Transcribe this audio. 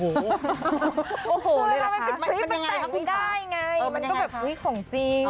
มันคือทริปเป็นแต่งไม่ได้ไง